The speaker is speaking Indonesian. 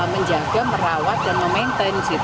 menjaga merawat dan memaintain